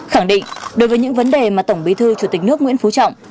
khẳng định đối với những vấn đề mà tổng bí thư chủ tịch nước nguyễn phú trọng